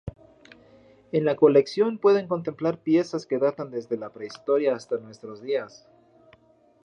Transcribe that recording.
En la colección pueden contemplar piezas que datan desde la prehistoria hasta nuestros días.